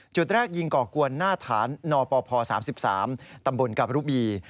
จุดแรกยิงก่อกวนหน้าฐานนปพ๓๓ตำบลกาบรุบี